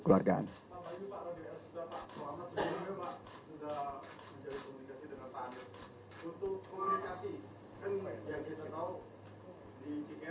nah untuk gerita dan pks ini